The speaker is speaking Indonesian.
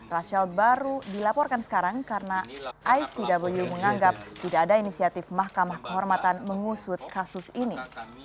rashal baru dilaporkan sekarang karena icw menganggap tidak ada inisiatif mahkamah kehormatan mengusut kasus ini